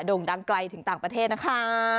่งดังไกลถึงต่างประเทศนะคะ